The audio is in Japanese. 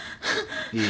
いい？